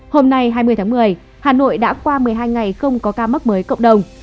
hôm nay hai mươi tháng một mươi hà nội đã qua một mươi hai ngày không có ca mắc mới cộng đồng